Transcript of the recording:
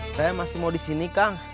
saya masih mau di sini kang